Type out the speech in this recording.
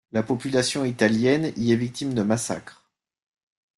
La population italienne y est victime de massacres.